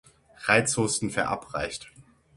Reizhusten, verabreicht.